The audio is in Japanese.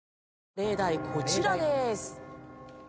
例題こちらです。